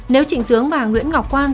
nếu trịnh sướng và nguyễn ngọc quan